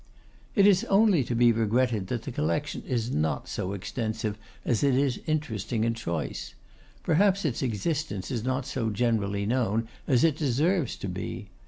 It is only to be regretted that the collection is not so extensive at it is interesting and choice. Perhaps its existence is not so generally known as it deserves to be.